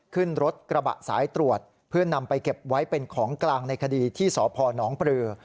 ขึ้นรถกระบะสายตรวจเพื่อนำไปเก็บไว้เป็นของกลางในคดีที่สพนปรือ